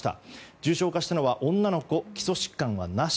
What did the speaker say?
重症化したのは女の子基礎疾患はなし。